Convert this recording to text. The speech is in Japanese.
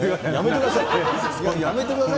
やめてください。